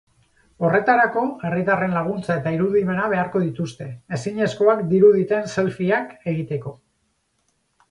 Horretarako, herritarren laguntza eta irudimena beharko dituzte, ezinezkoak diruditen selfieak egiteko.